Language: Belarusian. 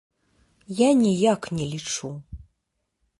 Я ніяк не лічу.